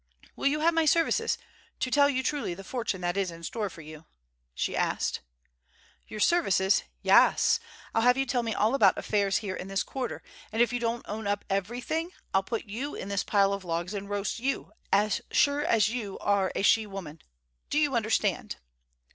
"Will you have my services, to tell you truly the fortune that is in store for you?" she asked. "Your services. Yaas; I'll have you tell me all about affairs here in this quarter, and if you don't own up every thing, I'll put you in this pile of logs and roast you, as sure as you are a she woman. Do you understand?"